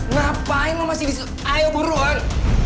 ngapain masih disuruh ayo buruan